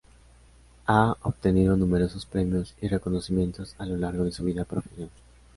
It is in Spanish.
Ha obtenido numerosos premios y reconocimientos a lo largo de su vida profesional.